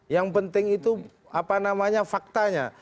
yang penting itu apa namanya faktanya